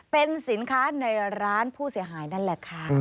เป็นสินค้าในร้านผู้เสียหายนั่นแหละค่ะ